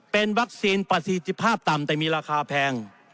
เป็นวัคซีนประสิทธิภาพต่ำแต่มีราคาแพง